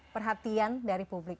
perhatian dari publik